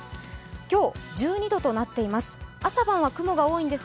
今日、１２度となっています。